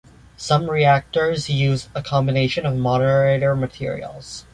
Some reactors use a combination of moderator materials.